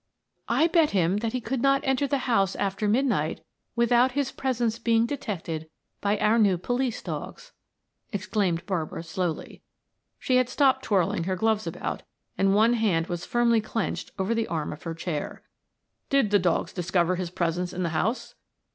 "I bet him that he could not enter the house after midnight without his presence being detected by our new police dogs," exclaimed Barbara slowly. She had stopped twirling her gloves about, and one hand was firmly clenched over the arm of her chair. "Did the dogs discover his presence in the house?"